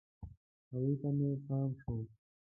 هغوی ته مې پام شو.